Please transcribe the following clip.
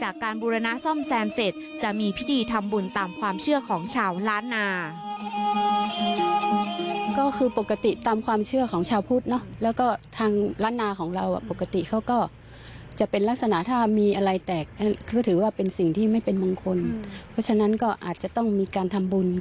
ก็คือทางชาวประเภณีอาจจะต้องมีการทำบุญ